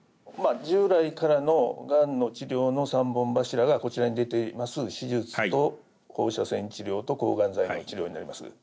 従来からのがんの治療の３本柱がこちらに出ています手術と放射線治療と抗がん剤の治療になります。